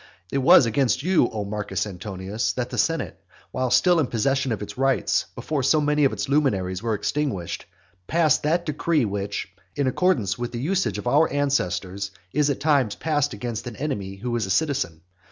It was against you, O Marcus Antonius, that the senate, while still in the possession of its rights, before so many of its luminaries were extinguished, passed that decree which, in accordance with the usage of our ancestors, is at times passed against an enemy who is a citizen.